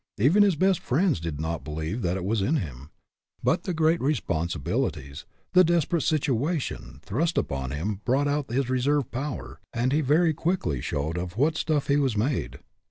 Even his best friends did not believe that it was in him. But the great responsibilities, the des perate situation, thrust upon him brought out his reserve power, and he very quickly showed of what stuff he was made.